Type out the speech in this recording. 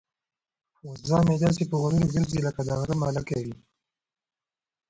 وزه مې داسې په غرور ګرځي لکه د غره ملکه چې وي.